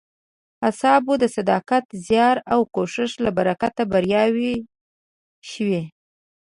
اصحابو د صداقت، زیار او کوښښ له برکته بریاوې شوې.